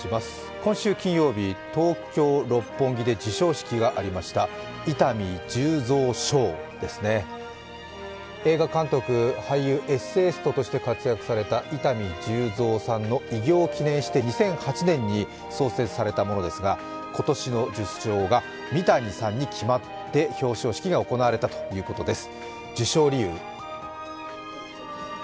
今週金曜日、東京・六本木で授賞式がありました伊丹十三賞ですね、映画監督俳優、エッセイストとして活躍された伊丹十三さんの偉業を記念して２００８年に創設されたものですが、今年の受賞が三谷さんに決まって表彰式が行われたということです。